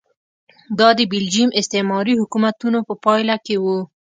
دا د بلجیم استعماري حکومتونو په پایله کې و.